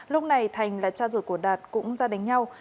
lúc này thành là cha ruột của đạt cũng ra đánh nhau